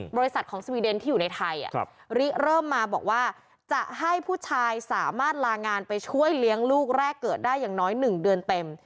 บริษัทของสวีเดนที่อยู่ในไทยริเริ่มมาบอกว่าจะให้ผู้ชายสามารถลางานไปช่วยเลี้ยงลูกแรกเกิดได้อย่างน้อย๑เดือนเต็ม